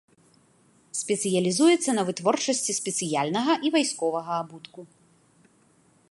Спецыялізуецца на вытворчасці спецыяльнага і вайсковага абутку.